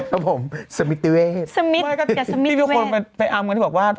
พ่อเด็กกะค่ำสมิทร์ติเวศด้วยที่พี่ผู้คนไปอ้ำกันที่บอกว่า